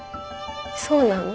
そうなの？